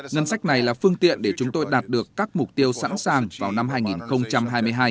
ngân sách này là phương tiện để chúng tôi đạt được các mục tiêu sẵn sàng vào năm hai nghìn hai mươi hai